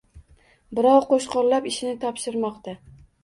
Birov qo‘shqo‘llab ishini topshirmoqda.